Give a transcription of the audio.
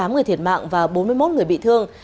hai mươi tám người thiệt mạng và bốn mươi một người bị thương